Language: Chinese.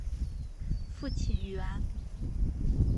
父亲袁。